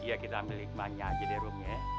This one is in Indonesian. iya kita ambil ikhmahnya aja deh rum ya